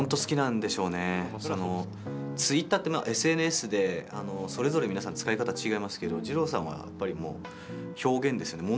ツイッターってＳＮＳでそれぞれ皆さん使い方違いますけど、二朗さんはやっぱりもう表現ですよね。